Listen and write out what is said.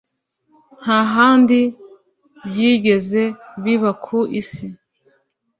nta handi byigeze biba ku isi,